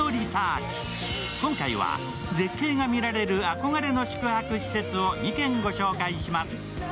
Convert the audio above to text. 今回は、絶景が見られる憧れの宿泊施設を２軒ご紹介します。